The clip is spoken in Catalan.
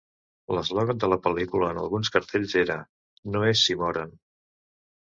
L'eslògan de la pel·lícula en alguns cartells era, "No és, si moren...".